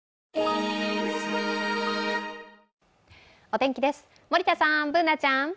お天気です、森田さん、Ｂｏｏｎａちゃん。